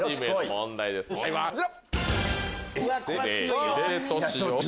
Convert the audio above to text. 問題はこちら。